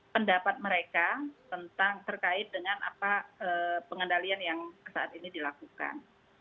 pendapat mereka tentang terkait dengan apa pengendalian yang saat ini dilakukan